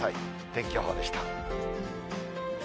天気予報でした。